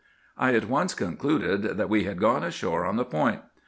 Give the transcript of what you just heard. "I at once concluded that we had gone ashore on the Point.